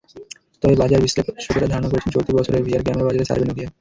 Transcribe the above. তবে বাজার বিশ্লেষকেরা ধারণা করছেন, চলতি বছরের ভিআর ক্যামেরা বাজারে ছাড়বে নকিয়া।